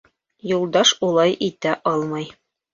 Юлдаш улай итә алмай.